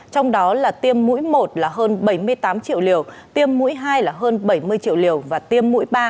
trong đó là tiêm mũi một là hơn bảy mươi tám triệu liều tiêm mũi hai là hơn bảy mươi triệu liều và tiêm mũi ba